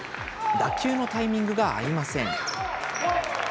打球のタイミングが合いません。